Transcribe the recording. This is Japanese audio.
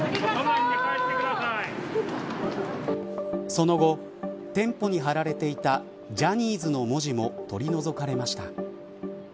その後、店舗に張られていたジャニーズの文字も取り除かれました。